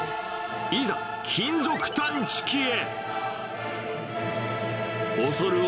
いざ、金属探知機へ。